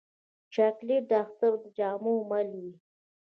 چاکلېټ د اختر د جامو مل وي.